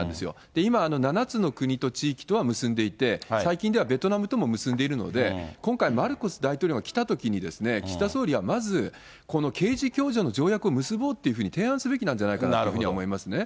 今、７つの国と地域とは結んでいて、最近ではベトナムとも結んでいるので、今回、マルコス大統領が来たときに、岸田総理はまず、この刑事共助の条約を結ぼうというふうに提案すべきなんじゃないかなというふうに思いますね。